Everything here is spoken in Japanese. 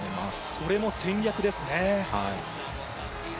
それも戦略ですね。